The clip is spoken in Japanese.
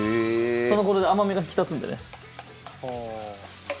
その事で甘みが引き立つんでね。